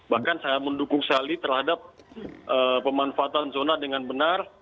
bahkan saya mendukung sali terhadap pemanfaatan zona dengan benar